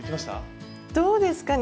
どうですかね